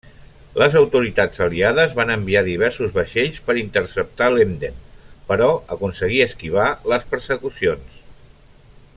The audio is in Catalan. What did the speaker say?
Les autoritats aliades van enviar diversos vaixells per interceptar l'Emden, però aconseguí esquivar les persecucions.